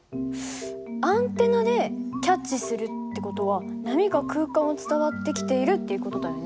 アンテナでキャッチするって事は波が空間を伝わってきているっていう事だよね？